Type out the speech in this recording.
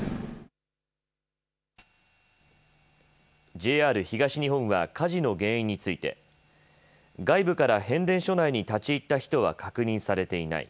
ＪＲ東日本は火事の原因について外部から変電所内に立ち入った人は確認されていない。